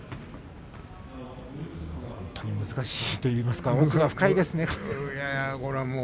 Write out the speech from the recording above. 本当に難しいというか奥が深いですね。